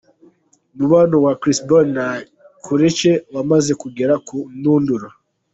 Umubano wa Chris Brown na Karrueche wamaze kugera ku ndunduro.